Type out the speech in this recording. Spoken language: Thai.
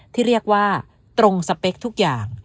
ที่เรียกว่าตรงสเปคทุกอย่าง